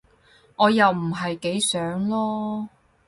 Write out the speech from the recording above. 我又唔係幾想囉